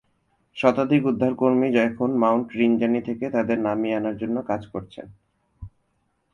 শতাধিক উদ্ধারকর্মী এখন Mount Rinjani থেকে তাদের নামিয়ে আনার জন্য কাজ করছেন।